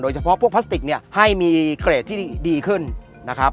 เฉพาะพวกพลาสติกเนี่ยให้มีเกรดที่ดีขึ้นนะครับ